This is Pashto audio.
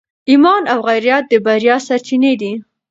ایمان او غیرت د بریا سرچینې دي.